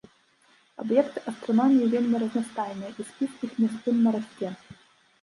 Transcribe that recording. Аб'екты астраноміі вельмі разнастайныя, і спіс іх няспынна расце.